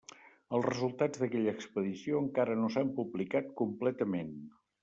Els resultats d'aquella expedició encara no s'han publicat completament.